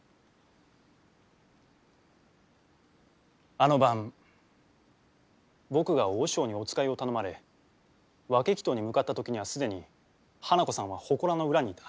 あの晩僕が和尚にお使いを頼まれ分鬼頭に向かった時には既に花子さんはほこらの裏にいた。